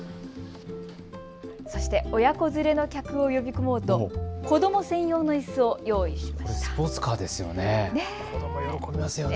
そして親子連れの客を呼び込もうと子ども専用のいすを用意しました。